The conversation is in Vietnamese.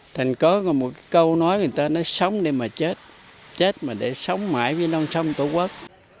thành có một câu nói người ta nó sống để mà chết chết mà để sống mãi với non sông tổ quốc